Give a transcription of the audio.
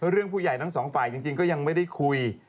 ผู้ใหญ่ทั้งสองฝ่ายจริงก็ยังไม่ได้คุย